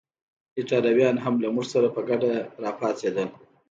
ایټالویان هم له موږ سره په ګډه راپاڅېدل.